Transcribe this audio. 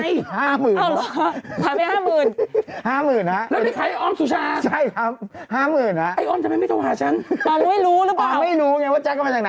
โอ้โหมดมีราคาสิตอนนี้คนเอาทอง๓๐บาทแล้วก็ในการโลเหล็กไปแลกกล้วยด่างน่ะ